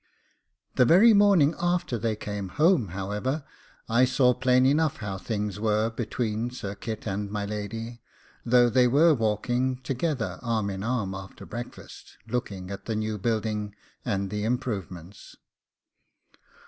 The very morning after they came home, however, I saw plain enough how things were between Sir Kit and my lady, though they were walking together arm in arm after breakfast, looking at the new building and the improvements.